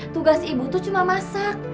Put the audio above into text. tugas ibu itu cuma masak